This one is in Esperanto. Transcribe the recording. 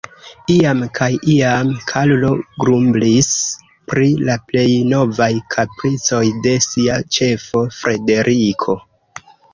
Iam kaj iam Karlo grumblis pri la plej novaj kapricoj de sia ĉefo, Frederiko.